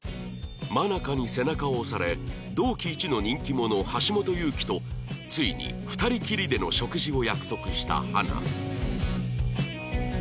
愛香に背中を押され同期一の人気者橋本祐希とついに２人きりでの食事を約束した花